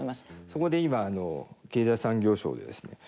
そこで今経済産業省でですね